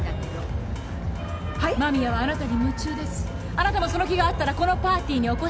あなたもその気があったらこのパーティーにお越しくださいと。